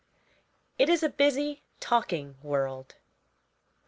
It is a busy, talking world.